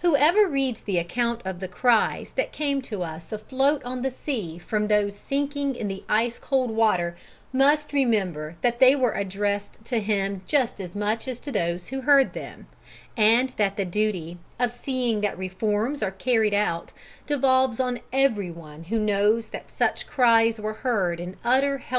Whoever reads the account of the cries that came to us afloat on the sea from those sinking in the ice cold water must remember that they were addressed to him just as much as to those who heard them, and that the duty, of seeing that reforms are carried out devolves on every one who knows that such cries were heard in utter helplessness the night the Titanic sank.